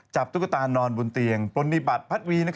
จับตุ๊กตานอนบนเตียงปรนิบัติพัดวี